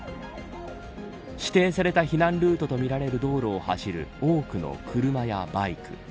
指定された避難ルートとみられる道路を走る多くの車やバイク。